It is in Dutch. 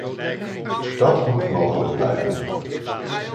Dat moet mogelijk blijven.